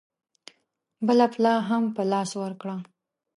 بله پلمه هم په لاس ورکړه.